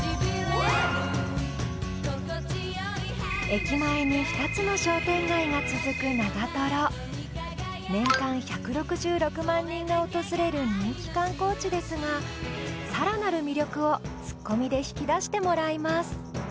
駅前に２つの商店街が続く長年間１６６万人が訪れる人気観光地ですがさらなる魅力をツッコミで引き出してもらいます